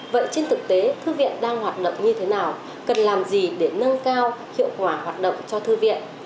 vậy trên thực tế thư viện đang hoạt động như thế nào cần làm gì để nâng cao hiệu quả hoạt động cho thư viện